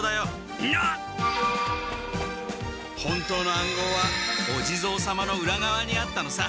本当の暗号はお地蔵様のうらがわにあったのさ！